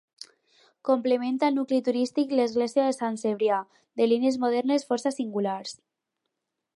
Complementa el nucli turístic l'església de Sant Cebrià, de línies modernes força singulars.